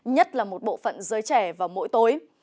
nhất là một bộ phận giới trẻ vào mỗi tối